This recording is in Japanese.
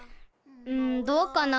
んどうかな？